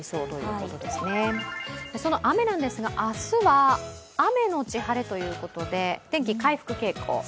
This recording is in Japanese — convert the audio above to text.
その雨なんですが、明日は雨のち晴れということで天気、回復傾向。